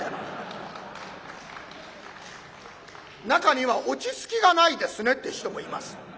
中には「落ち着きがないですね」って人もいます。